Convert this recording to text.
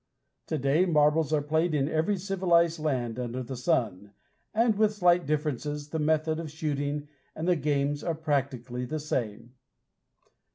To day marbles are played in every civilized land under the sun, and with slight differences, the method of shooting and the games are practically the same.